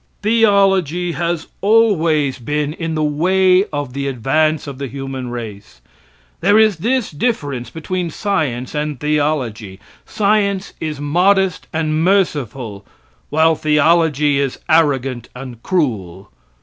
Theology has always been in the way of the advance of the human race. There is this difference between science and theology science is modest and merciful, while theology is arrogant and cruel.